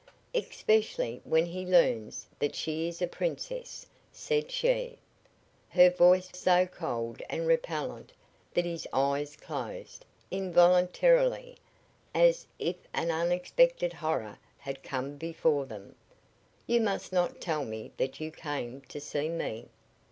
"Especially when he learns that she is a princess!" said she, her voice so cold and repellent that his eyes closed, involuntarily, as if an unexpected horror had come before them. "You must not tell me that you came to see me.